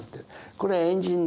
これエンジン